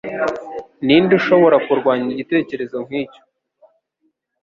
Ninde ushobora kurwanya igitekerezo nkicyo?